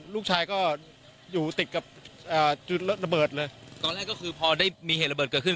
ลูกชายก็อยู่ติดกับจุดระเบิดเลยตอนแรกก็คือพอได้มีเหตุระเบิดเกิดขึ้น